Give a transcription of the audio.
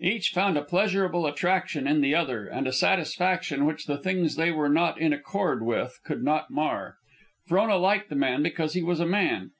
Each found a pleasurable attraction in the other, and a satisfaction which the things they were not in accord with could not mar. Frona liked the man because he was a man.